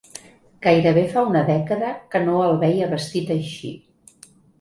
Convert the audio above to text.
Gairebé fa una dècada que no el veia vestit així.